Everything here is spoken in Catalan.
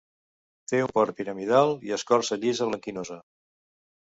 Té un port piramidal i escorça llisa, blanquinosa.